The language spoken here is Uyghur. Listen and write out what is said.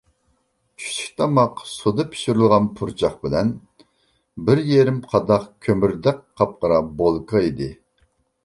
چۈشلۈك تاماق سۇدا پىشۇرۇلغان پۇرچاق بىلەن بىر يېرىم قاداق كۆمۈردەك قاپقارا بولكا ئىدى.